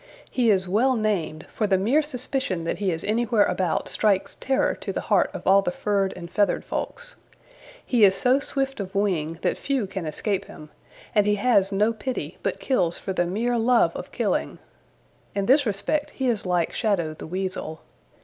He is well named, for the mere suspicion that he is anywhere about strikes terror to the heart of all the furred and feathered folks. He is so swift of wing that few can escape him, and he has no pity, but kills for the mere love of killing. In this respect he is like Shadow the Weasel.